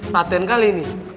paten kali ini